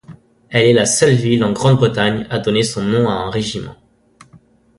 Elle est la seule ville en Grande-Bretagne à donner son nom à un régiment.